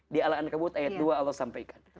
di ala an kebut ayat dua allah sampaikan